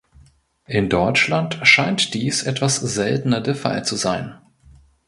In Deutschland scheint dies etwas seltener der Fall zu sein.